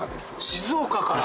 静岡から！